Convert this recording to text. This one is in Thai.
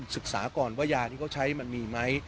ศึกษาก่อนว่ายาที่เขาใช้มันมีไหม